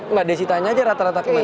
mbak desi tanya aja rata rata kemana